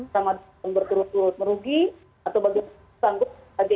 sama dengan berkerus kerus merugi